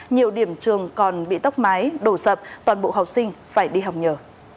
nhiều điểm trường còn bị tốc mái đổ sập toàn bộ học sinh phải đi học nhờ